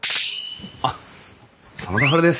あっ真田ハルです。